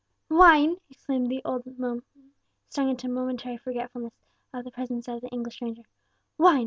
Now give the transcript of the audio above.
"Wine!" exclaimed the old woman, stung into momentary forgetfulness of the presence of the English stranger "wine!"